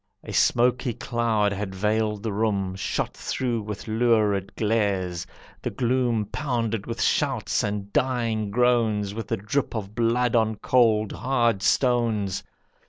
A smoky cloud had veiled the room, Shot through with lurid glares; the gloom Pounded with shouts and dying groans, With the drip of blood on cold, hard stones.